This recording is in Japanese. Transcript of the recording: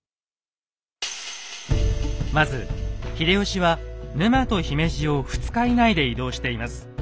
まず秀吉は沼と姫路を２日以内で移動しています。